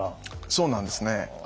そうなんですね。